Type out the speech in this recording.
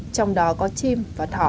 trong đó có chim và thỏ